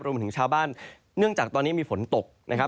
รวมถึงชาวบ้านเนื่องจากนี้มีฝนตก